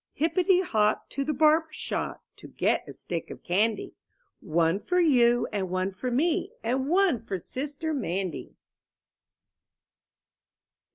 TTIPPETY hop to the barber shop, "■*■ To get a stick of candy. One for you and one for me. And one for Sister Mandy.